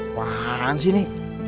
apaan sih ini